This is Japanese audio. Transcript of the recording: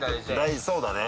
そうだね。